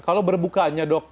kalau berbuka aja dok